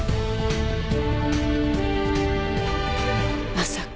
まさか。